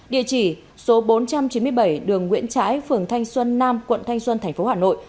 địa chỉ số bốn trăm chín mươi bảy đường nguyễn trãi phường thanh xuân nam quận thanh xuân tp hà nội